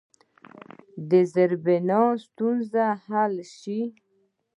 د زیربنا ستونزې حل شوي؟